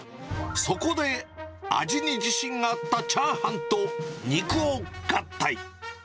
そこで味に自信があったチャーハンと肉を合体。